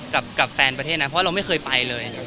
กับแฟนประเทศนั้นเพราะเราไม่เคยไปเลย